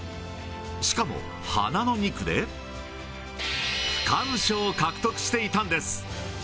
しかも花の２区で、区間賞を獲得していたんです。